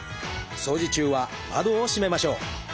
掃除中は窓を閉めましょう。